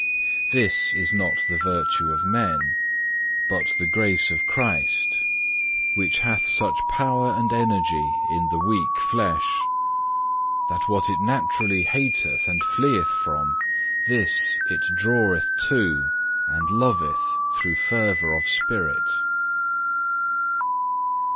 This is not the virtue of man, but the grace of Christ which hath such power and energy in the weak flesh, that what it naturally hateth and fleeth from, this it draweth to and loveth through fervour of spirit.